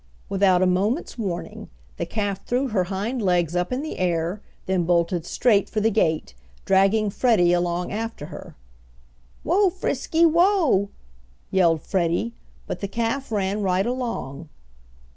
Without a moment's warning the calf threw her hind legs up in the air, then bolted straight for the gate, dragging Freddie along after her. "Whoa, Frisky! whoa!" yelled Freddie, but the calf ran right along.